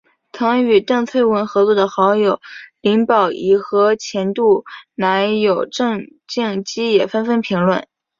曾与邓萃雯合作的好友林保怡和前度男友郑敬基也纷纷评论。